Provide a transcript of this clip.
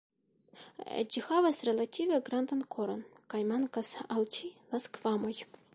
Ĝi havas relative grandan koron kaj mankas al ĝi la skvamoj.